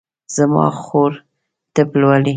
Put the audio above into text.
زما خور طب لولي